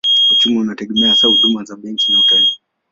Uchumi unategemea hasa huduma za benki na utalii.